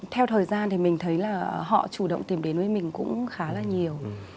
theo thời gian thì mình thấy là họ chủ động tìm đến với mình cũng khá là nhiều